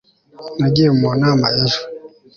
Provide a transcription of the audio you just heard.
nagiye mu nama ejo